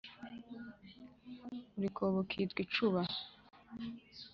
buri kobo kitwa icuba